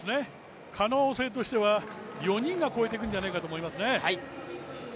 可能性としては４人が越えていくんじゃないかと思いますね。